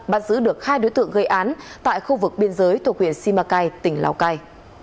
bắt giữ được hai đối tượng gây án tại khu vực biên giới thuộc huyện simacai tỉnh lào cai